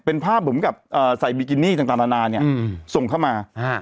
เป็นภาพผมกับเอ่อใส่บิกินี่ต่างต่างนานาเนี้ยอืมส่งเข้ามาอ่า